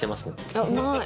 ああうまい。